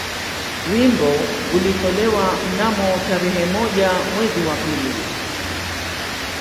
Wimbo ulitolewa mnamo tarehe moja mwezi wa pili